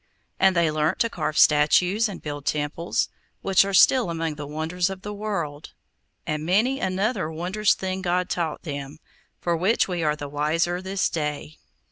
And they learnt to carve statues, and build temples, which are still among the wonders of the world; and many another wondrous thing God taught them, for which we are the wiser this day.